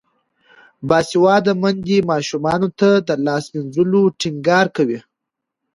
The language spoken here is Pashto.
باسواده میندې ماشومانو ته د لاس مینځلو ټینګار کوي.